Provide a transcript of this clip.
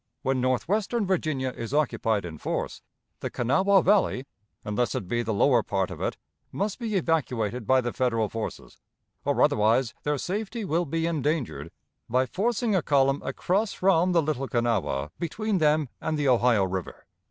When northwestern Virginia is occupied in force, the Kanawha Valley, unless it be the lower part of it, must be evacuated by the Federal forces, or otherwise their safety will be endangered by forcing a column across from the Little Kanawha between them and the Ohio River.